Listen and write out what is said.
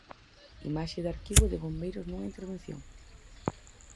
Imaxe de arquivo de bombeiros nunha intervención.